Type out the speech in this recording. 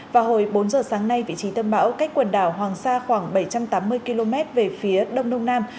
vào hồi bốn giờ sáng nay vị trí tâm bão cách quần đảo hoàng sa khoảng bảy trăm tám mươi km về phía đông đông nam